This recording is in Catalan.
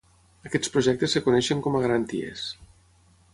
Aquests projectes es coneixen com a garanties.